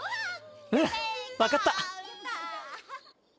うん分かった。